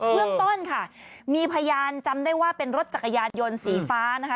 เรื่องต้นค่ะมีพยานจำได้ว่าเป็นรถจักรยานยนต์สีฟ้านะคะ